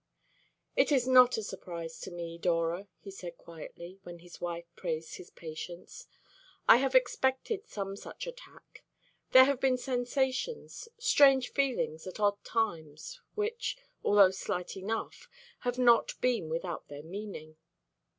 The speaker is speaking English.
"It is not a surprise to me, Dora," he said quietly, when his wife praised his patience; "I have expected some such attack. There have been sensations strange feelings at odd times which, although slight enough, have not been without their meaning.